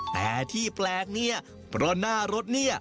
แต่ที่แปลกประหน้ารถนี่